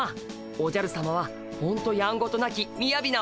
おじゃるさまは本当やんごとなきみやびなお方っす。